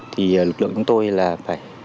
thì lực lượng chúng tôi là phải